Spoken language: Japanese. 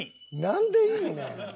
なんでいいねん。